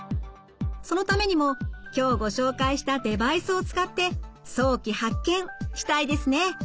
そのためにも今日ご紹介したデバイスを使って早期発見したいですね。